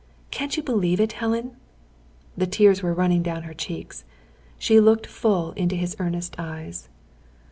Can't you believe it, Helen?" The tears were running down her cheeks. She looked full into his earnest eyes.